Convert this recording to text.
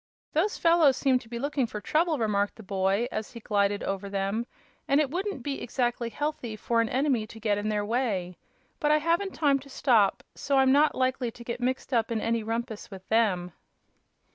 "Those fellows seem to be looking for trouble," remarked the boy, as he glided over them, "and it wouldn't be exactly healthy for an enemy to get in their way. But I haven't time to stop, so I'm not likely to get mixed up in any rumpus with them."